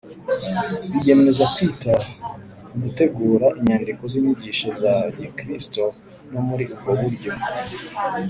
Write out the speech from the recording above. biyemeza kwita ku gutegura inyandiko z’inyigisho za gikristo ni muri ubwo buryo,